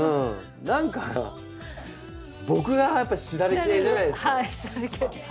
何か僕がやっぱしだれ系じゃないですか？